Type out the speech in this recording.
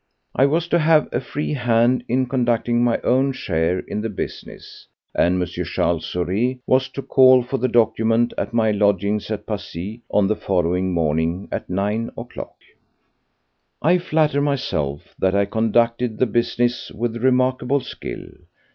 I was to have a free hand in conducting my own share of the business, and M. Charles Saurez was to call for the document at my lodgings at Passy on the following morning at nine o'clock. 2. I flatter myself that I conducted the business with remarkable skill.